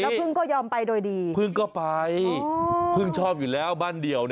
พึ่งก็ยอมไปโดยดีพึ่งก็ไปพึ่งชอบอยู่แล้วบ้านเดี่ยว